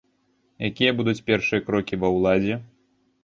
Якія будуць першыя крокі ва ўладзе?